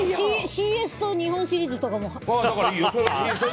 ＣＳと日本シリーズとかも？